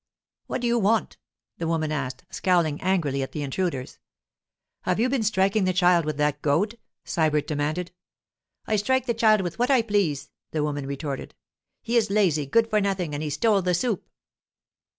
'What do you want?' the woman asked, scowling angrily at the intruders. 'Have you been striking the child with that goad?' Sybert demanded. 'I strike the child with what I please,' the woman retorted. 'He is a lazy good for nothing and he stole the soup.